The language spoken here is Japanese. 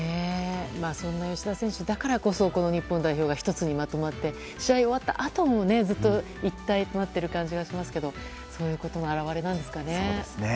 そんな吉田選手だからこそこの日本代表が１つにまとまって試合が終わったあともずっと一体となっている感じがしますけどそういうことの表れなんですかね。